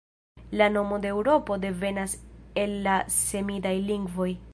La nomo de Eŭropo venas el la semidaj lingvoj.